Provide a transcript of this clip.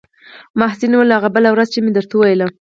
محسن وويل ها بله ورځ چې مې درته وويل.